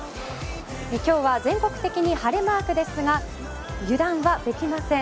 今日は全国的に晴れマークですが油断はできません。